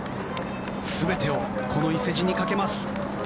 全てをこの伊勢路にかけます。